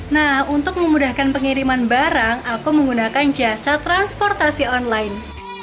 nah untuk memudahkan pengiriman barang aku menggunakan jasa transportasi online